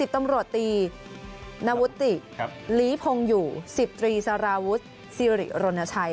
๑๐ตำรวจตีนวุฒิลีพงหยุสิบตรีสารวุฒิซีริรณชัย